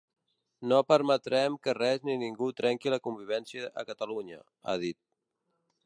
No permetrem que res ni ningú trenqui la convivència a Catalunya, ha dit.